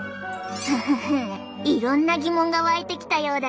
フフフいろんな疑問が湧いてきたようだね。